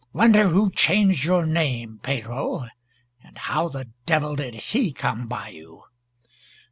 "Wonder who changed your name, Pedro. And how the devil did he come by you?